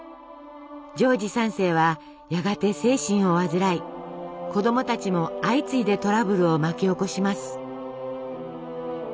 ジョージ３世はやがて精神を患い子どもたちも相次いでトラブルを巻き起こします。